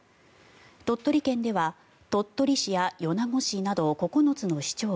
鳥取県では鳥取市や米子市など９つの市町